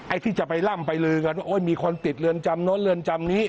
ที่จะไปล่ำไปลือกันว่าโอ้ยมีคนติดเรือนจำโน้นเรือนจำนี้